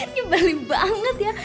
nyebalin banget ya